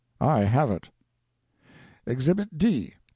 I have it. EXHIBIT D.